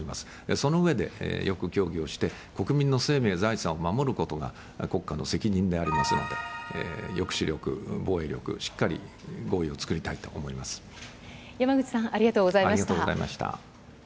その上で、よく協議をして、国民の生命、財産を守ることが、国家の責任でありますので、抑止力、防衛力、しっかり合意を山口さん、ありがとうございありがとうございました。